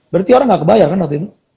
berarti orang nggak kebayar kan waktu itu